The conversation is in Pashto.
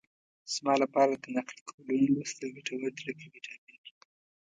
زما لپاره د نقل قولونو لوستل ګټور دي لکه ویټامین.